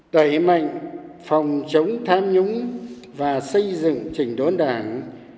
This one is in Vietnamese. đẩy mạnh phòng chống tham nhũng và xây dựng trình đốn đảng